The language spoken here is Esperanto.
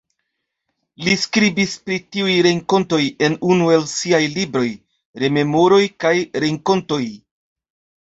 Li skribis pri tiuj renkontoj en unu el siaj libroj: "Rememoroj kaj renkontoj".